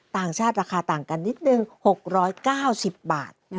ต่างชาติราคาต่างกันนิดนึง๖๙๐บาท